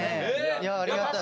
いやありがたい。